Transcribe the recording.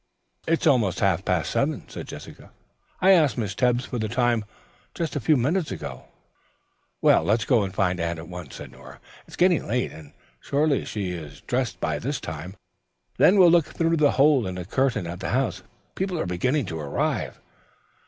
"It's almost half past seven," said Jessica. "I asked Miss Tebbs for the time just a few minutes ago." "Let's go and find Anne at once, then," said Nora. "It's getting late, and she surely is dressed by this time. Then we'll look through the hole in the curtain at the house. People are beginning to arrive."